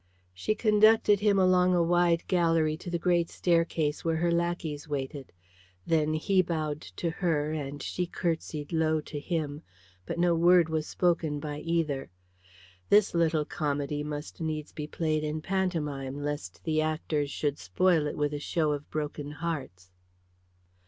She conducted him along a wide gallery to the great staircase where her lackeys waited. Then he bowed to her and she curtsied low to him, but no word was spoken by either. This little comedy must needs be played in pantomime lest the actors should spoil it with a show of broken hearts.